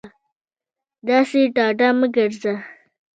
داسې ډاډه مه گرځه